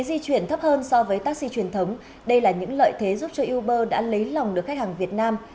đối với taxi truyền thống đây là những lợi thế giúp cho uber đã lấy lòng được khách hàng việt nam